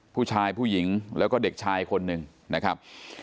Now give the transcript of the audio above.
ผู้ชายผู้หญิงแล้วก็เด็กชายคนนึงนะครับ